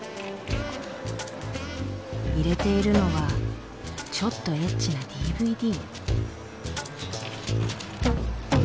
入れているのはちょっとエッチなＤＶＤ。